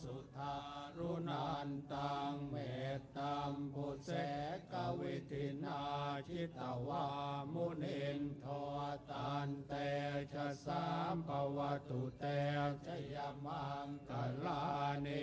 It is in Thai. สุทธารุนันตังเมตตัมพุทธแสกวิทธินาชิตวามุนินต์ทวตันเตชสัมปวตุเตชยะมังกะลานิ